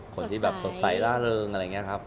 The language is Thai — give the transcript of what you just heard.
คนที่แบบสดใสล่าเริงอะไรอย่างนี้ครับ